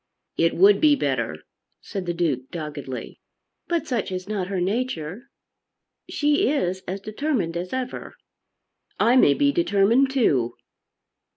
"It would be better," said the Duke doggedly. "But such is not her nature. She is as determined as ever." "I may be determined too."